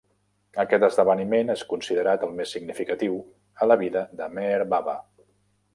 Aquest esdeveniment és considerat el més significatiu a la vida de Meher Baba.